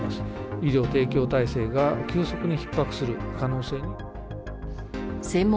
医療体制が急速にひっ迫する可能性も。